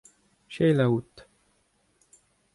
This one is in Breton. Sheila out.